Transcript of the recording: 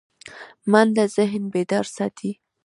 منډه ذهن بیدار ساتي